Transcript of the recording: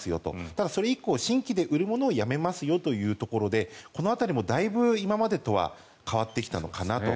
ただ、それ以降新規で売るものをやめますよというところでこの辺りもだいぶ今までとは変わってきたのかなと。